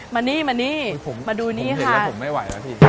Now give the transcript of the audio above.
มานี่มานี่ผมมาดูนี่เห็นแล้วผมไม่ไหวแล้วพี่